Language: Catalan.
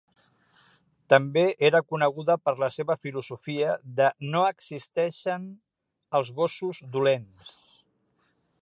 També era coneguda per la seva filosofia de "no existeixen els gossos dolents".